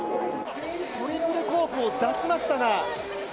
トリプルコークを出しましたが。